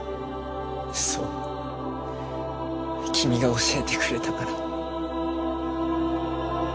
そう君が教えてくれたから。